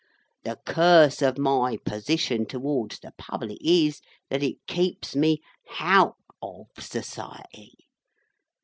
The curse of my position towards the Public is, that it keeps me hout of Society.